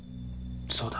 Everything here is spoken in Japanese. そうだ。